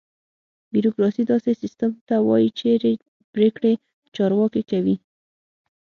بیوروکراسي: داسې سیستم ته وایي چېرې پرېکړې چارواکي کوي.